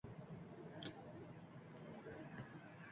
Elektron raqamli imzoning haqiqiyligini tasdiqlash uchun